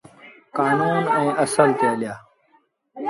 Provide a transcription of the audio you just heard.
ڪآنون ائيٚݩ اسول تي هلتآ۔